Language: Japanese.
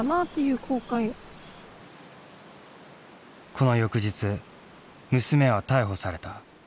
この翌日娘は逮捕された。